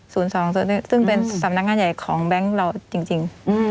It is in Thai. ซึ่งเป็นสำนักงานใหญ่ของแบงค์เราจริง